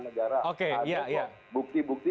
negara ada bukti bukti